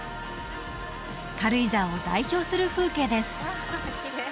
軽井沢を代表する風景です